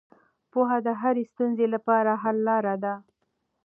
پوهه د هرې ستونزې لپاره حل لاره ده.